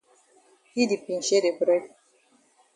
Yi di pinchay de bread.